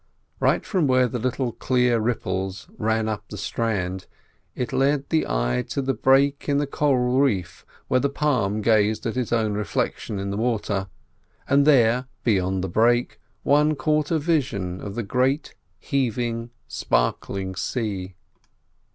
Right from where the little clear ripples ran up the strand, it led the eye to the break in the coral reef where the palm gazed at its own reflection in the water, and there, beyond the break, one caught a vision of the great heaving, sparkling sea.